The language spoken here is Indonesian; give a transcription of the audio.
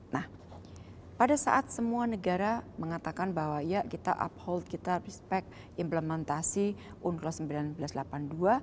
nah pada saat semua negara mengatakan bahwa ya kita uphold kita respect implementasi unclos seribu sembilan ratus delapan puluh dua